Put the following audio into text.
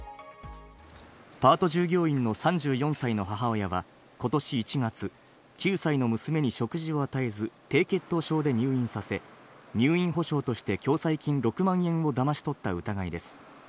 パート従業員の３４歳の母親はことし１月、９歳の娘に食事を与えず、低血糖症で入院させ、入院保障として共済金６万円をだまし取った疑いです。